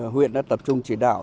huyện đã tập trung chỉ đạo